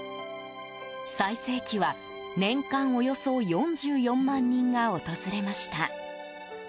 最盛期は、年間およそ４４万人が訪れました。